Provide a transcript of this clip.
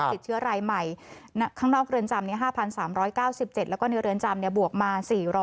ติดเชื้อรายใหม่ข้างนอกเรือนจำ๕๓๙๗แล้วก็ในเรือนจำบวกมา๔๐๐